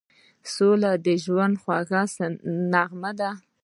سوله د ژوند خوږه نغمه ده.